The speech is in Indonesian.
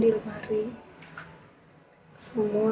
terima kasih sama ibu